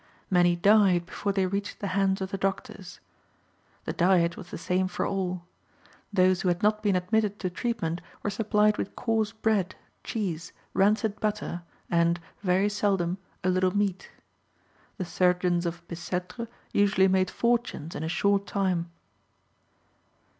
Many died before they reached the hands of the doctors. The diet was the same for all. Those who had not been admitted to treatment were supplied with coarse bread, cheese, rancid butter, and (very seldom) a little meat. The surgeons of Bicêtre usually made fortunes in a short time.